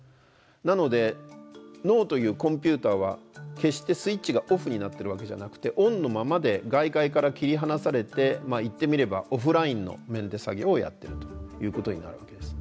なので脳というコンピューターは決してスイッチがオフになってるわけじゃなくてオンのままで外界から切り離されて言ってみればオフラインのメンテ作業をやってるということになるわけです。